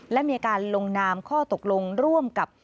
และมีการลงนามข้อตกลงร่วมกับ